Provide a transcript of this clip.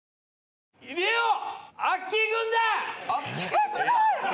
えっすごい！